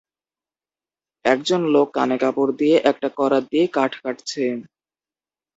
একজন লোক কানে কাপড় দিয়ে একটা করাত দিয়ে কাঠ কাটছে।